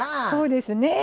そうですね。